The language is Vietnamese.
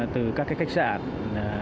từ các cái khách sạn